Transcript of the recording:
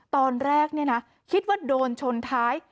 ตอนแรกคิดว่าโดนชนท้าย